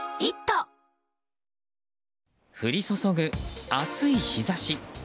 降り注ぐ熱い日差し。